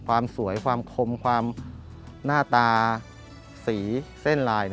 ความสวยความคมความหน้าตาสีเส้นลาย